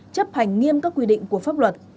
chấp hành nghiêm các quy định của pháp luật